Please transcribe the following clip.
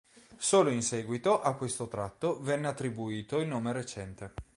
Solo in seguito a questo tratto venne attribuito il nome recente.